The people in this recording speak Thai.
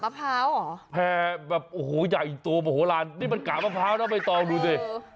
แผ่แบบอยากอีกตัวนี่มันกะปอร์พราทะว่าไม่ต้องดูเลย